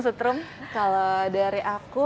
sutrum kalau dari aku